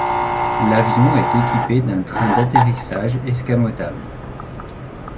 L'avion est équipé d'un train d'atterrissage escamotable.